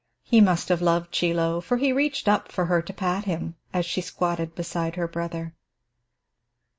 He must have loved Chie Lo, for he reached up for her to pat him as she squatted beside her brother.